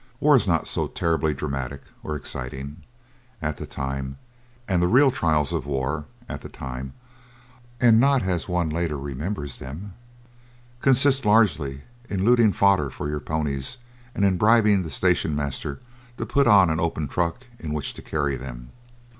War is not so terribly dramatic or exciting at the time; and the real trials of war at the time, and not as one later remembers them consist largely in looting fodder for your ponies and in bribing the station master to put on an open truck in which to carry them.